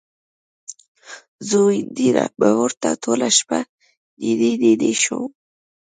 ځونډیه! زه به ورته ټوله شپه نینې نینې شوم